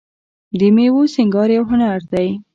د میوو سینګار یو هنر دی.